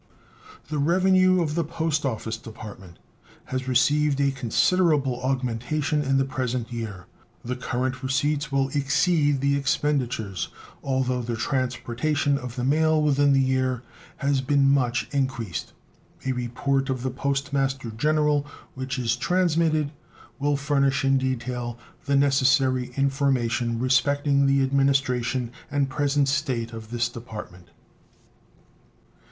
The revenue of the Post Office Department has received a considerable augmentation in the present year. The current receipts will exceed the expenditures, although the transportation of the mail within the year has been much increased. A report of the Post Master General, which is transmitted, will furnish in detail the necessary information respecting the administration and present state of this Department.